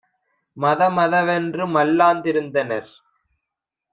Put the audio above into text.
மதமத வென்று மல்லாந் திருந்தனர்!